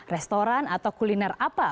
restoran atau kuliner apa